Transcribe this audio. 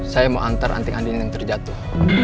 saya mau antar anting andin yang terjatuh